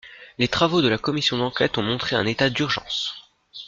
Les travaux de la commission d’enquête ont montré un état d’urgence.